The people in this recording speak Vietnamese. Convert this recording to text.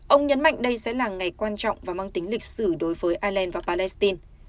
ông nhấn mạnh đây sẽ là ngày quan trọng và mang tính lịch sử đối với ireland và palestine